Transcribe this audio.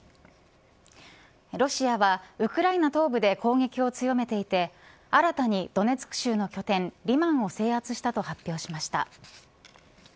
ロシアはウクライナ東部で攻撃を強めていて新たにドネツク州の拠点リマンを制圧したと発表しました。